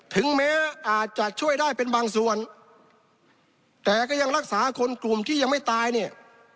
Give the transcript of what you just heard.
ถึงแม้อาจจะช่วยได้เป็นบางส่วนแต่ก็ยังรักษาคนกลุ่มที่ยังไม่ตายเนี่ย